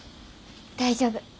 大丈夫。